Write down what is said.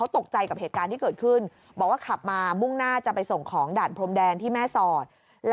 ตกใจกับเหตุการณ์ที่เกิดขึ้นบอกว่าขับมามุ่งหน้าจะไปส่งของด่านพรมแดนที่แม่สอด